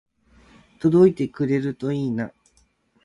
届いてくれるといいな